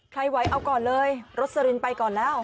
ไหวเอาก่อนเลยรสลินไปก่อนแล้ว